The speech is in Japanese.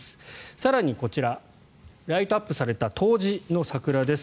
更に、こちらライトアップされた東寺の桜です。